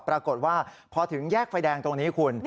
ปรากฏว่าพอถึงแยกไฟแดงตรงนี้คุณ